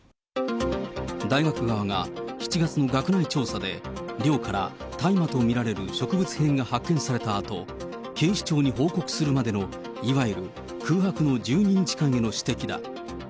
大学側が７月の学内調査で寮から大麻と見られる植物片が発見されたあと、警視庁に報告するまでの、いわゆる空白の１２日間への指摘だ。